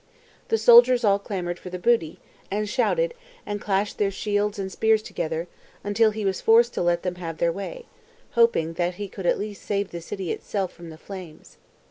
The soldiers all clamoured for the booty, and shouted, and clashed their shields and spears together, until he was forced to let them have their way, hoping that he could at least save the city itself from the flames.